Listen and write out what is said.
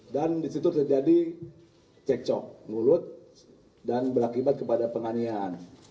dan di situ terjadi cekcok mulut dan berakibat kepada penganian